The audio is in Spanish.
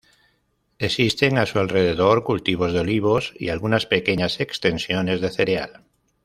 Existen a su alrededor cultivos de olivos y algunas pequeñas extensiones de cereal.